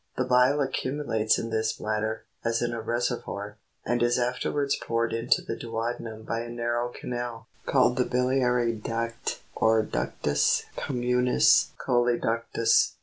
The bile accumulates in this bladder, as in a reservoir, and is afterwards poured into the duodenum by a narrow canal, called the biliary duct, or ductus communis choledochus.